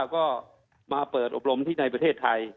ก็มาเปิดอบรมที่ในประเทศไทย